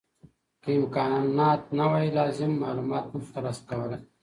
که امکانات نه وي لازم معلومات نه شو ترلاسه کولای.